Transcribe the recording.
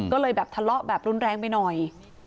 ก็เลยแบบทะเลาะแบบรุนแรงไปหน่อย